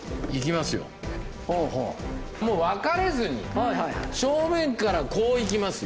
もう分かれずに正面からこう行きますよ。